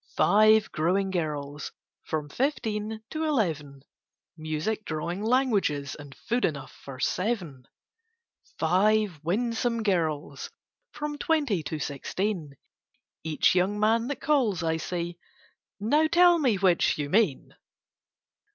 Five growing girls, from Fifteen to Eleven: Music, Drawing, Languages, and food enough for seven! [Picture: Now tell me which you mean] Five winsome girls, from Twenty to Sixteen: Each young man that calls, I say "Now tell me which you mean!"